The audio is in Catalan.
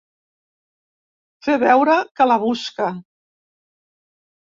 Fer veure que la busca.